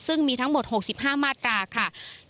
ซึ่งมีทั้งหมด๖๕มาตราค่ะ